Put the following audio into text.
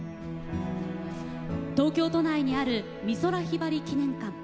東京都内にある美空ひばり記念館。